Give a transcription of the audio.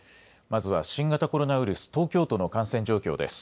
まずは新型コロナウイルス、東京都の感染状況です。